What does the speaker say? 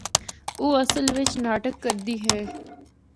او اصل وچ ناٹک کردی اے۔